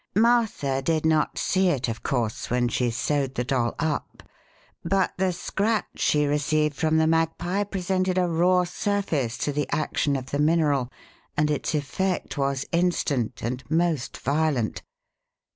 Martha did not see it, of course, when she sewed the doll up, but the scratch she received from the magpie presented a raw surface to the action of the mineral and its effect was instant and most violent.